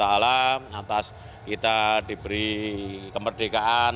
atas kita diberi kemerdekaan